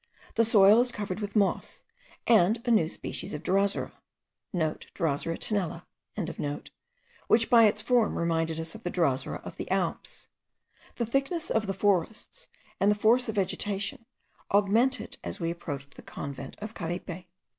The soil is covered with moss, and a new species of drosera,* (* Drosera tenella.) which by its form reminded us of the drosera of the Alps. The thickness of the forests, and the force of vegetation, augmented as we approached the convent of Caripe.